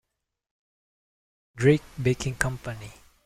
Drake Baking Company.